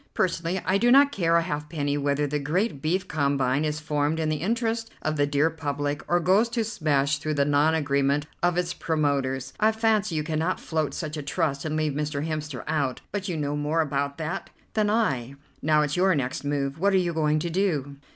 Personally I do not care a halfpenny whether the great beef combine is formed in the interest of the dear public, or goes to smash through the non agreement of its promoters. I fancy you cannot float such a trust and leave Mr. Hemster out, but you know more about that than I. Now it's your next move. What are you going to do?"